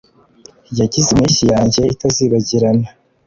yagize impeshyi yanjye itazibagirana.